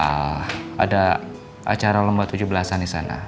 ada acara lomba tujuh belas an di sana